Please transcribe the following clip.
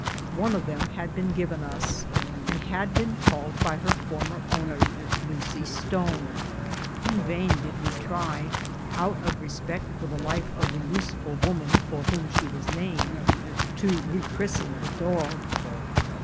One of them had been given us, and had been called by her former owner "Lucy Stone." In vain did we try, out of respect for the life of the useful woman for whom she was named, to rechristen the dog.